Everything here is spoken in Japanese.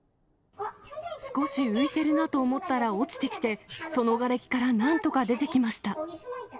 少し浮いてるなと思ったら、落ちてきて、そのがれきからなんとか出てきました。